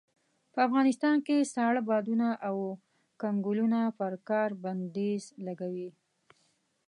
په افغانستان کې ساړه بادونه او کنګلونه پر کار بنديز لګوي.